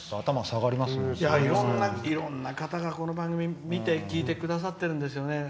いろんな方が、この番組を見て聞いてくださってるんですね。